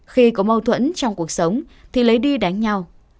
khi có mâu thuẫn trong cuộc sống thì lấy đi đánh nhau